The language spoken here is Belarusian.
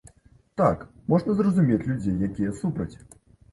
Так, можна зразумець людзей, якія супраць.